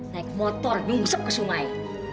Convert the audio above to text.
naik motor bungsuk ke sungai